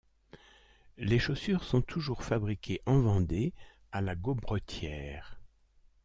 Les chaussures sont toujours fabriqués en Vendée à La Gaubretière.